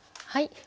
はい。